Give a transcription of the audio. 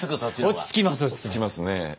落ち着きます。